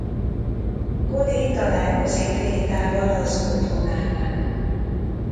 Cody találkozik Grétával az otthonánál.